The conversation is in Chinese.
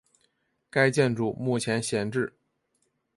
该建筑目前闲置。